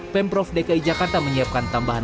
pemprov dki jakarta menyiapkan tambahan